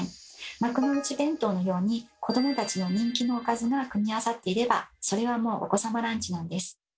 幕の内弁当のように子どもたちの人気のおかずが組み合わさっていればそれはもう「お子様ランチ」なんです。